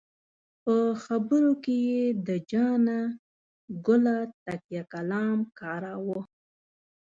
په خبرو کې یې د جانه ګله تکیه کلام کاراوه.